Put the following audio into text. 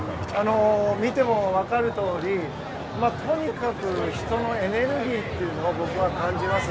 見ても分かるとおりとにかく人のエネルギーを僕は感じます。